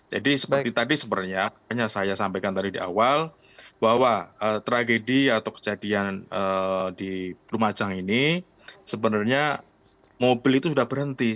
jadi seperti tadi sebenarnya hanya saya sampaikan tadi di awal bahwa tragedi atau kejadian di rumacang ini sebenarnya mobil itu sudah berhenti